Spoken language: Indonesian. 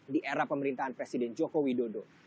di era pemerintahan presiden joko widodo